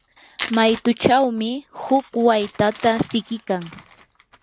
maytuchawmi huk waytata siqikan.